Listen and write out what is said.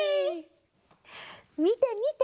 みてみて！